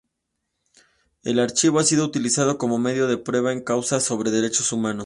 El archivo ha sido utilizado como medio de prueba en causas sobre derechos humanos.